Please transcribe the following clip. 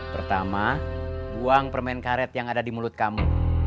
pertama buang permen karet yang ada di mulut kamu